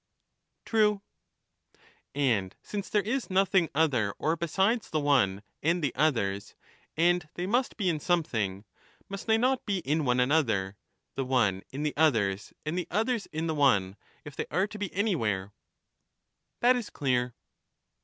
True. And since there is nothing other or besides the one and Unequal to the others, and they must be in something, must they not be ^^^^^^ in one another, the one in the others and the others in the contains one, if they are to be anywhere ?"*^"*^^* J.. ,., tained in That IS clear.